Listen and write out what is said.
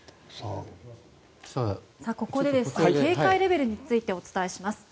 ここで警戒レベルについてお伝えします。